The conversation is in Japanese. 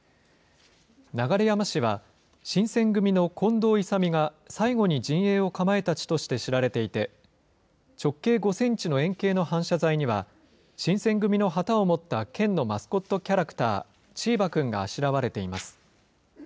流山市は、新選組の近藤勇が、最後に陣営を構えた地として知られていて、直径５センチの円形の反射材には、新選組の旗を持った県のマスコットキャラクター、チーバくんがあしらわれています。